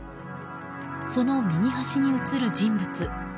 その右端に写る人物。